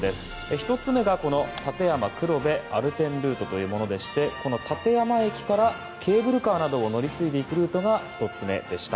１つ目が立山黒部アルペンルートでこの立山駅からケーブルカーなどを乗り継いでいくルートが１つ目でした。